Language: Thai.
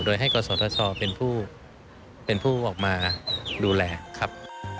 โดยให้กศธชเป็นผู้ออกมาดูแลครับ